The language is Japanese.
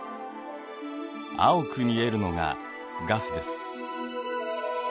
青く見えるのがガスです。